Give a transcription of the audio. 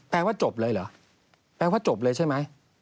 ว่าจบเลยเหรอแปลว่าจบเลยใช่ไหม